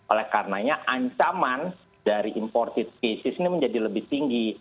oleh karenanya ancaman dari imported cases ini menjadi lebih tinggi